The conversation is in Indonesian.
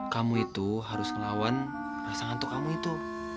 kamu itu harus ngelawan rasa ngantuk kamu itu